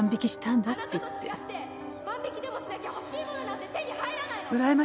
あなたと違って万引きでもしなきゃ欲しいものなんて手に入らないの！